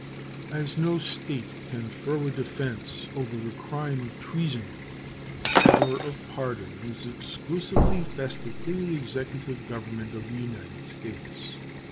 As no State can throw a defense over the crime of treason, the power of pardon is exclusively vested in the executive government of the United States.